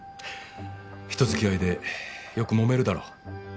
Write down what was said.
人付き合いでよく揉めるだろ。